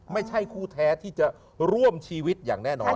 ไม่ใช่คู่แท้ที่จะร่วมชีวิตอย่างแน่นอน